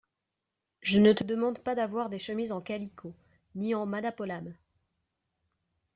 Je ne te demande pas d’avoir des chemises en calicot, ni en madapolam !